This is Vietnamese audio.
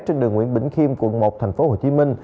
trên đường nguyễn bỉnh khiêm quận một tp hcm